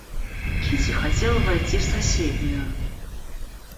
Кити хотела войти в соседнюю.